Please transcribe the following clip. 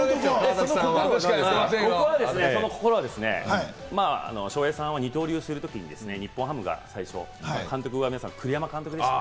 僕はですね、翔平さんは二刀流するときに、日本ハムが最初、監督は皆さん、栗山監督でした。